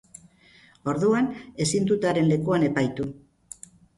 Orduan, ezin dut haren lekuan epaitu.